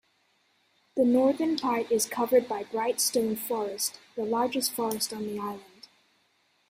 The Northern part is covered by Brighstone Forest the largest forest on the Island.